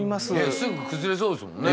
すぐ崩れそうですもんね。